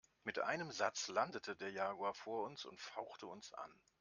Mit einem Satz landete der Jaguar vor uns und fauchte uns an.